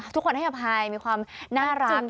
ทุกคนให้อภัยมีความน่ารัก